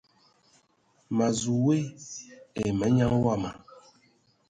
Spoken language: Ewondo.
Ma zu we ai manyaŋ wama.